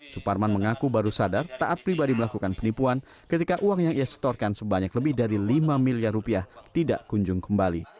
suparman mengaku baru sadar taat pribadi melakukan penipuan ketika uang yang ia setorkan sebanyak lebih dari lima miliar rupiah tidak kunjung kembali